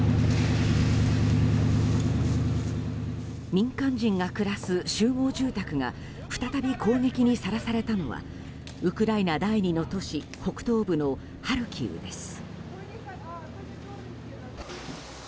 民間人が暮らす集合住宅が再び攻撃にさらされたのはウクライナ第２の都市北東部のハルキウです。